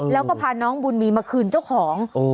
แล้วก็พาน้องบุญมีมาคืนเจ้าของ